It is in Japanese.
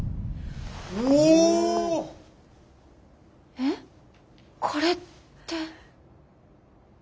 えっこれって？